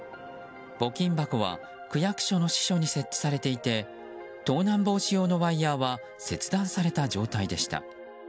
募金箱は区役所の支所に設置されていて盗難防止用のワイヤは切断された状態でした。